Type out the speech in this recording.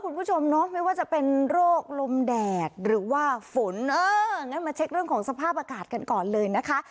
คุณผู้ชมเนาะไม่ว่าจะเป็นโรคลมแดดหรือว่าฝนเอองั้นมาเช็คเรื่องของสภาพอากาศกันก่อนเลยนะคะ